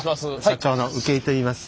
社長の請井といいます。